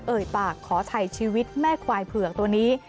เอ่ยปากขอถ่ายชีวิตแม่ควายเผือกตัวนี้